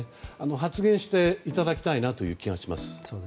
発言していただきたいなという気がします。